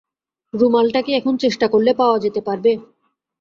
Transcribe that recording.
রুমালটা কি এখন চেষ্টা করলে পাওয়া যেতে পারবে?